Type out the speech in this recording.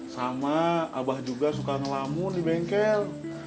sama abah juga suka ngelamun di bengkel